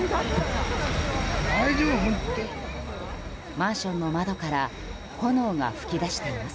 マンションの窓から炎が噴き出しています。